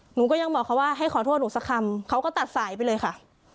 หนูก็ยังบอกเขาว่าให้ขอโทษหนูสักคำเขาก็ตัดสายไปเลยค่ะ